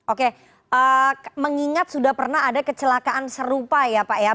oke mengingat sudah pernah ada kecelakaan serupa ya pak ya